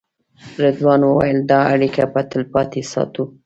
رضوان وویل دا اړیکه به تلپاتې ساتو.